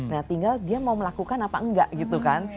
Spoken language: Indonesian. nah tinggal dia mau melakukan apa enggak gitu kan